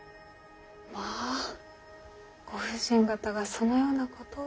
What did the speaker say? まぁご婦人方がそのようなことを。